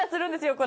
これ。